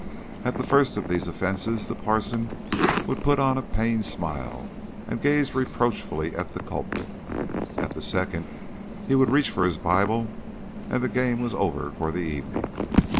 At the first of these offences the parson would put on a pained smile, and gaze reproachfully at the culprit. At the second he would reach for his Bible, and the game was over for the evening.